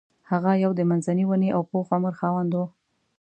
هغه یو د منځني ونې او پوخ عمر خاوند و.